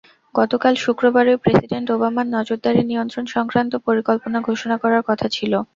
গতকাল শুক্রবারই প্রেসিডেন্ট ওবামার নজরদারি নিয়ন্ত্রণ-সংক্রান্ত পরিকল্পনা ঘোষণা করার কথা ছিল।